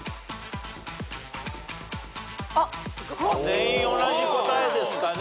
全員同じ答えですかね。